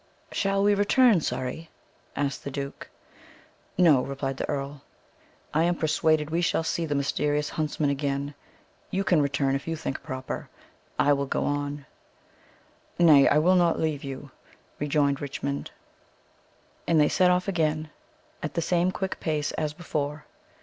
"Shall we return, Surrey?" asked the duke. "No," replied the earl. "I am persuaded we shall see the mysterious huntsman again. You can return, if you think proper. I will go on." "Nay, I will not leave you," rejoined Richmond. And they set off again at the same quick pace as before.